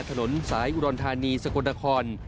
ถนนสายอุดรณฑานีสะกดคอน